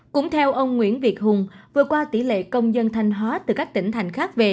cũng theo ông nguyễn việt hùng vừa qua tỷ lệ công dân thanh hóa từ các tỉnh thành khác về